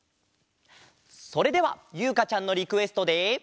それではゆうかちゃんのリクエストで。